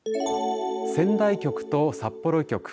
仙台局と札幌局。